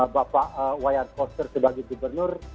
bapak wayan koster sebagai gubernur